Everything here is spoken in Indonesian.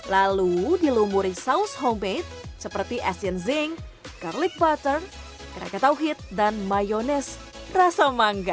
lalu dilumuri saus homemade seperti asin zinc garlic butter keragam tauhid dan mayonis rasa mangga